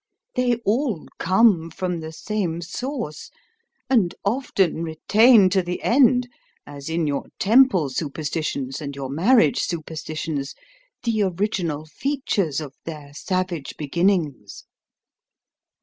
They all come from the same source, and often retain to the end, as in your temple superstitions and your marriage superstitions, the original features of their savage beginnings.